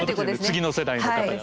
次の世代の方々。